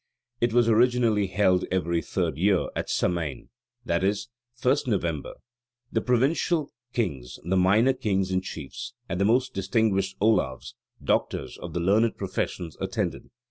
It was originally held every third year, at Samain, i.e., 1st November. The provincial kings, the minor kings and chiefs, and the most distinguished ollaves (doctors) of the learned professions attended.